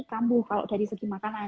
kambuh kalau dari segi makanan